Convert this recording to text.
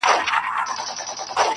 ماته د یارانو د مستۍ خبري مه کوه -